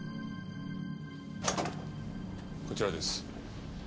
こちらです。